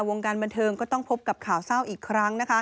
วงการบันเทิงก็ต้องพบกับข่าวเศร้าอีกครั้งนะคะ